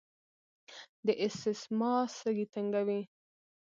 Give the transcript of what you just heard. د اسثما سږي تنګوي.